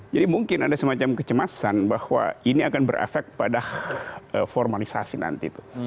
jadi mungkin ada semacam kecemasan bahwa ini akan berefek pada formalisasi nanti tuh